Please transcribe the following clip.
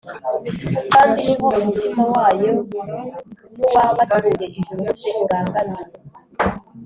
kandi ni ho umutima wayo n’uwabatuye ijuru bose urangamiye